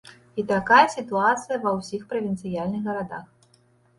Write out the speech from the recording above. І такая сітуацыя ва ўсіх правінцыяльных гарадах.